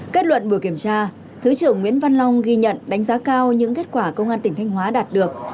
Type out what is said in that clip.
kết luận buổi kiểm tra thứ trưởng nguyễn văn long ghi nhận đánh giá cao những kết quả công an tỉnh thanh hóa đạt được